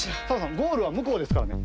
ゴールはむこうですからね。